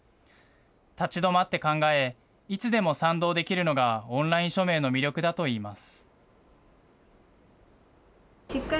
立ち止まって考え、いつでも賛同できるのがオンライン署名の魅力だといいます。